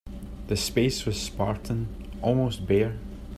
The space was spartan, almost bare.